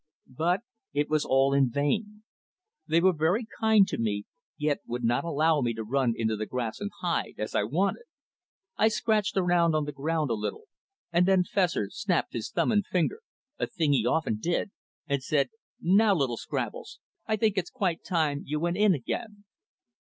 But it was all in vain. They were very kind to me, yet would not allow me to run into the grass and hide, as I wanted. I scratched around on the ground a little, and then Fessor snapped his thumb and finger a thing he often did and said: "Now, little Scraggles, I think it's quite time you went in again."